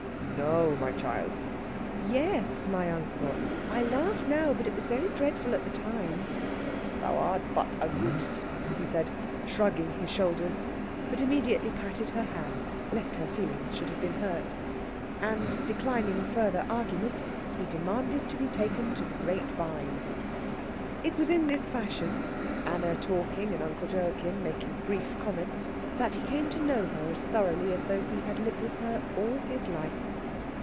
"No, my child." "Yes, my uncle. I laugh now, but it was very dreadful at the time." "Thou art but a goose," he said, shrugging his shoulders; but immediately patted her hand lest her feelings should have been hurt. And, declining further argument, he demanded to be taken to the Great Vine. It was in this fashion, Anna talking and Uncle Joachim making brief comments, that he came to know her as thoroughly as though he had lived with her all his life.